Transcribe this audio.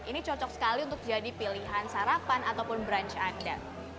ini cocok sekali untuk jadi pilihan sarapan ataupun brunch anda